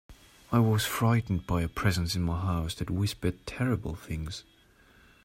I was frightened by a presence in my house that whispered terrible things.